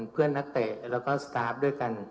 เพื่อนนักเตะและสตาฟด้วยกัน